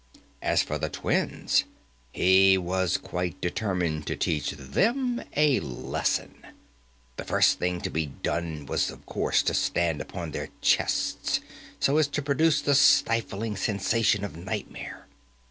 As for the twins, he was quite determined to teach them a lesson. The first thing to be done was, of course, to sit upon their chests, so as to produce the stifling sensation of nightmare.